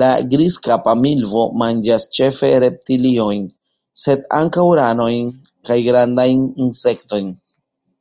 La Grizkapa milvo manĝas ĉefe reptiliojn, sed ankaŭ ranojn kaj grandajn insektojn.